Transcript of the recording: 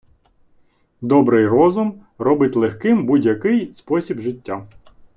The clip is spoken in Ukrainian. Добрий розум, робить легким будь-який спосіб життя.